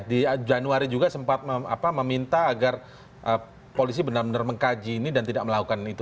di januari juga sempat meminta agar polisi benar benar mengkaji ini dan tidak melakukan itu